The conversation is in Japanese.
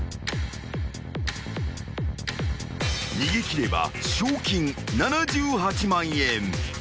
［逃げ切れば賞金７８万円。